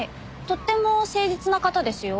とっても誠実な方ですよ。